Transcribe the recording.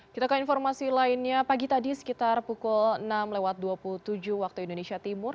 kita ke informasi lainnya pagi tadi sekitar pukul enam lewat dua puluh tujuh waktu indonesia timur